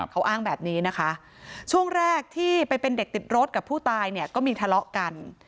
เขาอ้างแบบนี้นะคะช่วงแรกที่ไปเป็นเด็กติดรถกับผู้ตายเนี่ยก็มีทะเลาะกัน